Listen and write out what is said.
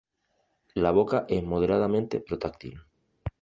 La boca es moderadamente protráctil.